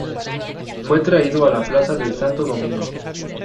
Fue traído a la Plaza de Santo Domingo.